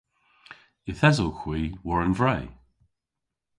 Yth esowgh hwi war an vre.